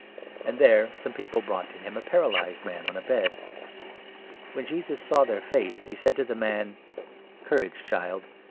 And there 2 Man. some people brought to him a paralyzed man on a bed. When Jesus saw their faith, he said to the man :" Courage, Child